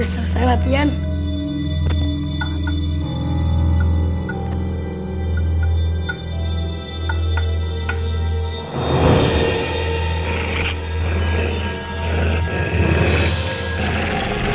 jangan alah bank